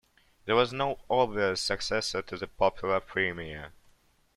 There was no obvious successor to the popular premier.